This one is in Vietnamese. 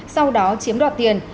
sau đó chiếm đoạt tiền